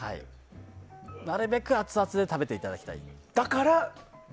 なるべくアツアツで食べていただきたい。